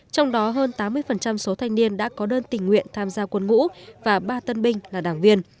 trong đó hơn tám mươi số thanh niên đã có đơn tình nguyện tham gia quân ngũ và ba tân binh là đảng viên